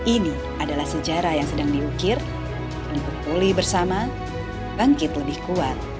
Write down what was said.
ini adalah sejarah yang sedang diukir untuk pulih bersama bangkit lebih kuat